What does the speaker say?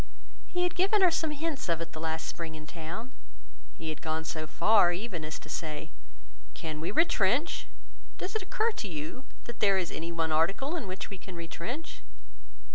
He had given her some hints of it the last spring in town; he had gone so far even as to say, "Can we retrench? Does it occur to you that there is any one article in which we can retrench?"